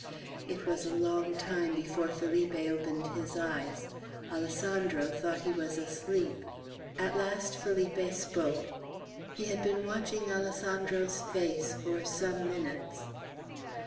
It was a long time before Felipe opened his eyes. Alessandro thought he was asleep. At last Felipe spoke. He had been watching Alessandro's face for some minutes.